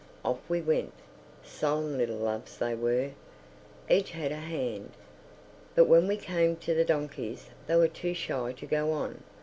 Off we went; solemn little loves they were; each had a hand. But when we came to the donkeys they were too shy to go on.